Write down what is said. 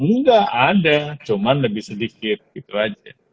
enggak ada cuma lebih sedikit itu aja